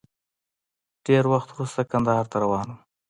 ډېر وخت وروسته کندهار ته روان وم.